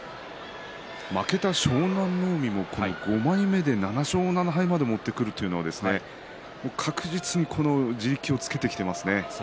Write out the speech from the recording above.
負けた湘南乃海５枚目で７勝７敗まで持ってくるということは確実に地力をつけていますね。